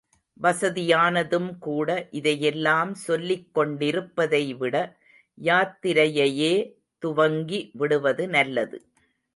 வசதியானதும் கூட இதையெல்லாம் சொல்லிக் கொண்டிருப்பதை விட யாத்திரையையே துவங்கி விடுவது நல்லது.